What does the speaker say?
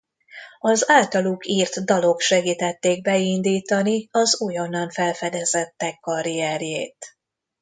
Az általuk írt dalok segítették beindítani az újonnan felfedezettek karrierjét.